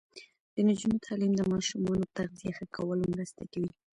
د نجونو تعلیم د ماشومانو تغذیه ښه کولو مرسته کوي.